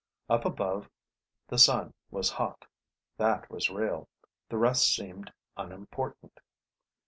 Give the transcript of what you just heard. Up above the sun was hot. That was real. The rest seemed unimportant.